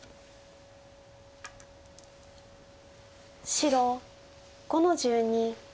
白５の十二。